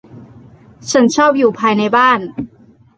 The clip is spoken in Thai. ฉันชอบอยู่ภายในบ้าน